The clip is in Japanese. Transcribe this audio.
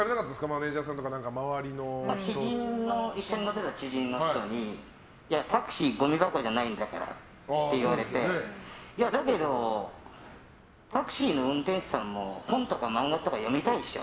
マネジャーさんとか一緒に乗ってた知人の人にタクシーごみ箱じゃないんだからって言われてだけど、タクシーの運転手さんも本とか漫画とか読みたいでしょ？